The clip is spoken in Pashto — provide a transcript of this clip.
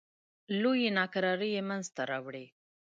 لویې ناکرارۍ منځته راوړې.